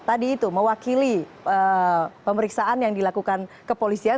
tadi itu mewakili pemeriksaan yang dilakukan kepolisian